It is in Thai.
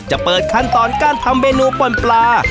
จะเปิดขั้นตอนการทำเมนูป่นปลา